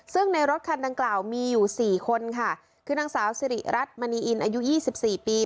ซึ่งในรถคันดังกล่าวมีอยู่สี่คนค่ะคือนางสาวสิริรัตนมณีอินอายุยี่สิบสี่ปี